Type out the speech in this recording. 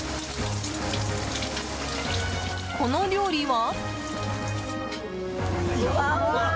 この料理は？